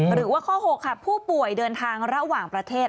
หรือว่าข้อ๖ค่ะผู้ป่วยเดินทางระหว่างประเทศ